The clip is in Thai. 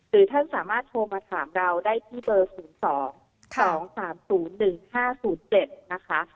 ท่านสามารถโทรมาถามเราได้ที่เบอร์๐๒๒๓๐๑๕๐๗นะคะ